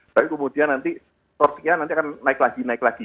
tapi kemudian nanti torsinya nanti akan naik lagi naik lagi